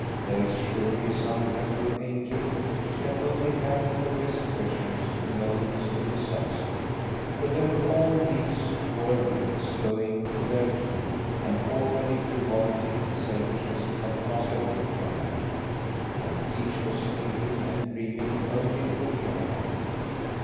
There is surely some wrecker angel which can only gather her best treasures in moments of disaster. For here were all these worldlings going to their doom, and already frivolity and selfishness had passed away from them, and each was thinking and grieving only for the other.